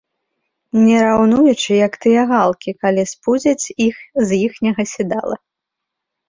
Не раўнуючы, як тыя галкі, калі спудзяць іх з іхняга седала.